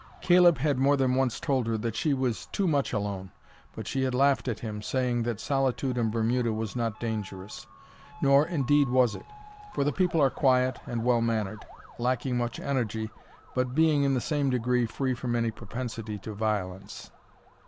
Caleb had more than once told her that she was too much alone, but she had laughed at him, saying that solitude in Bermuda was not dangerous. Nor, indeed, was it; for the people are quiet and well mannered, lacking much energy, but being, in the same degree, free from any propensity to violence.